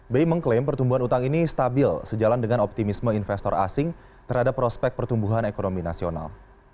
bi mengklaim pertumbuhan utang ini stabil sejalan dengan optimisme investor asing terhadap prospek pertumbuhan ekonomi nasional